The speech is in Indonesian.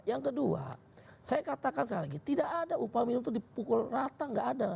yang kedua saya katakan sekali lagi tidak ada upah minimum itu dipukul rata nggak ada